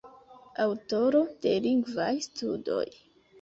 Aŭtoro de lingvaj studoj.